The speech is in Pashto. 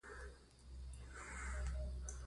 د عام اولس د خدمت فورم وي -